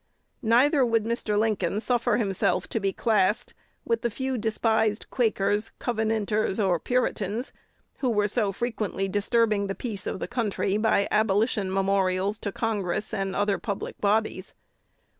Neither would Mr. Lincoln suffer himself to be classed with the few despised Quakers, Covenanters, and Puritans, who were so frequently disturbing the peace of the country by abolition memorials to Congress and other public bodies.